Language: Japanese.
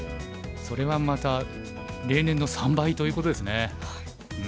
それはまた例年の３倍ということですね。